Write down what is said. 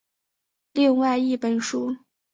另外一本书。